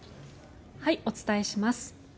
お伝えします。